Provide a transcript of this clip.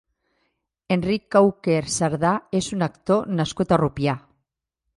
Enric Auquer Sardà és un actor nascut a Rupià.